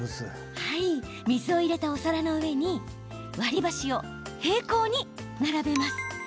水を入れた、お皿の上に割り箸を平行に並べます。